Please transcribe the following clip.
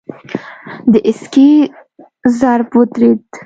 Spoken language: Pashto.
د سکې ضرب ودرېد.